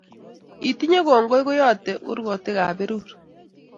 Itinye kongoi ko yatei kurkotikap berur